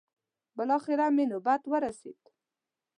بلاخره مې نوبت ورسېد.